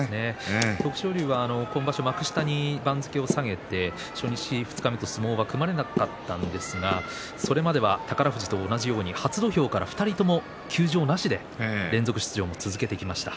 徳勝龍は今場所幕下に番付を下げて初日、二日目と相撲は組まれなかったんですがそれまでは宝富士と同じように初土俵から２人とも休場なしで連続出場を続けてきました。